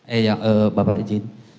eh yang bapak izin